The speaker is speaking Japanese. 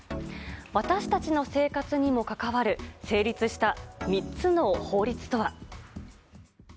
私たちの生活にも関わる成立した３つの法律とは。